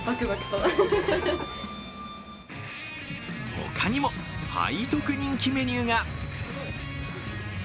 他にも、背徳人気メニューが。